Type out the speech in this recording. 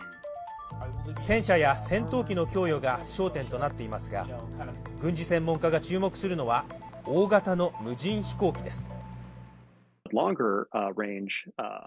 戦車や戦闘機の供与が焦点となっていますが、軍事専門家が注目するのは大型の無人飛行機です。